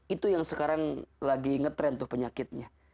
itu yang sekarang lagi ngetrend tuh penyakitnya